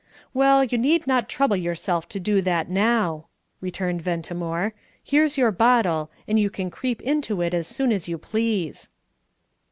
"Well, you need not trouble yourself to do that now," returned Ventimore. "Here's your bottle, and you can creep into it as soon as you please."